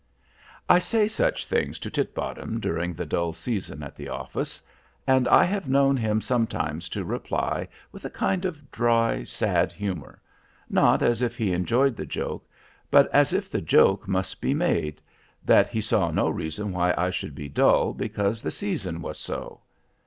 I say such things to Titbottom during the dull season at the office. And I have known him sometimes to reply with a kind of dry, sad humor, not as if he enjoyed the joke, but as if the joke must be made, that he saw no reason why I should be dull because the season was so.